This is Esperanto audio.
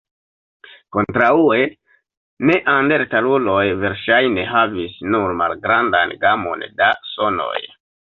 Kontraŭe, neandertaluloj verŝajne havis nur malgrandan gamon da sonoj.